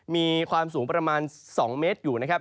มีความสูงประมาณ๒เมตรอยู่นะครับ